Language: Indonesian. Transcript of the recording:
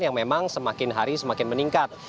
yang memang semakin hari semakin meningkat